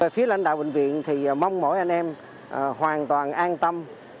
phía lãnh đạo bệnh viện thì mong mỗi anh em hoàn toàn an tâm